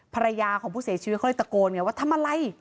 ภรรยาของผู้เสียชีวิตเขาเลยตะโกนไงว่าทำอะไร